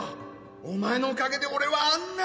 「お前のおかげで俺はあんな目に！」